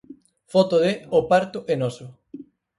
Foto de "O Parto é noso".